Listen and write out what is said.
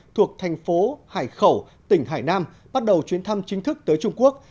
thuộc thành phố hải khẩu tỉnh hải nam bắt đầu chuyến thăm chính thức tới trung quốc